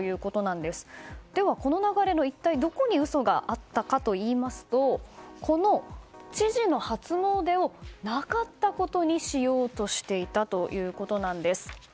では、この流れの中の一体どこに嘘があったのかといいますとこの知事の初詣をなかったことにしようとしていたということなんです。